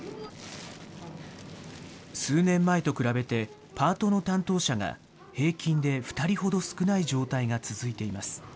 数年前と比べて、パートの担当者が平均で２人ほど少ない状態が続いています。